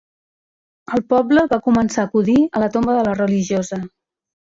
El poble va començar a acudir a la tomba de la religiosa.